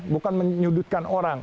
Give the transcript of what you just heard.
bukan menyudutkan orang